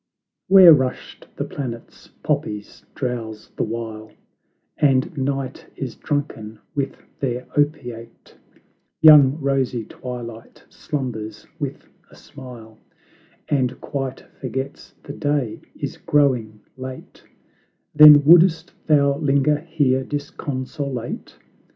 tbe Divine enchantment "Where rushed the planets, poppies drowse the while, And Night is drunken with their opiate; Young, rosy Twilight slumbers with a smile, And quite forgets the day is growing late: Then wouldst thou linger here disconsolate?"